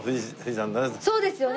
そうですよね。